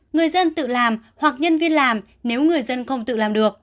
người dân tự làm hoặc nhân viên làm nếu người dân không tự làm được